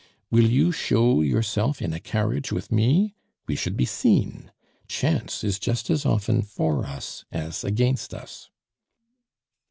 Will you show yourself in a carriage with me? We should be seen. Chance is just as often for us as against us."